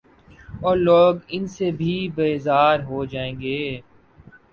اورلوگ ان سے بھی بیزار ہوجائیں گے۔